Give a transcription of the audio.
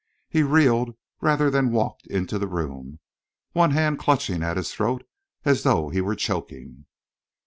He reeled rather than walked into the room, one hand clutching at his throat, as though he were choking.